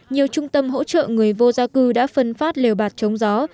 nhiều trung tâm hỗ trợ người vô gia cư đã phân phát lều bạc chống gió